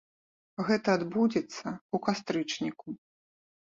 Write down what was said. Гэта адбудзецца ў кастрычніку.